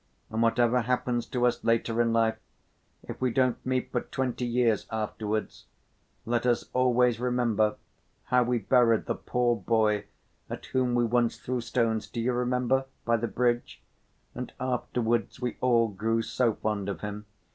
And whatever happens to us later in life, if we don't meet for twenty years afterwards, let us always remember how we buried the poor boy at whom we once threw stones, do you remember, by the bridge? and afterwards we all grew so fond of him.